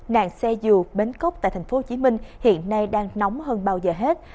nạn xe dù bến cốc tại tp hcm hiện nay đang nóng hơn bao giờ hết